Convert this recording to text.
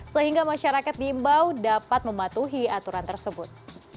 sehingga masyarakat diimbau dapat mematuhi aturan tersebut